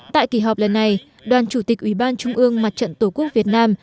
tại kỳ họp lần này đoàn chủ tịch ủy ban trung ương mặt trận tổ quốc việt nam